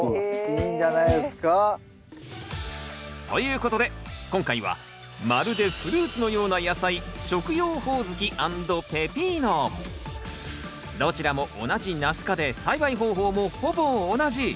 いいんじゃないですか！ということで今回はまるでフルーツのような野菜どちらも同じナス科で栽培方法もほぼ同じ。